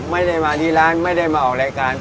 ไม่ได้มาที่ร้านไม่ได้มาออกรายการ